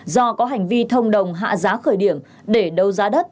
do có hành vi thông đồng hạ giá khởi điểm để đấu giá đất